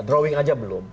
drawing aja belum